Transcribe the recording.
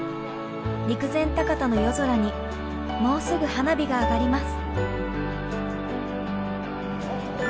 陸前高田の夜空にもうすぐ花火が上がります。